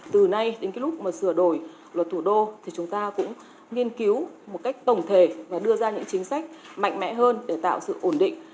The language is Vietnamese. từ nay đến cái lúc mà sửa đổi luật thủ đô thì chúng ta cũng nghiên cứu một cách tổng thể và đưa ra những chính sách mạnh mẽ hơn để tạo sự ổn định